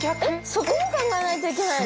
そこも考えないといけないの？